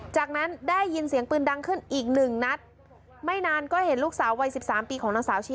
จากนั้นได้ยินเสียงปืนดังขึ้นอีกหนึ่งนัดไม่นานก็เห็นลูกสาววัยสิบสามปีของนางสาวชี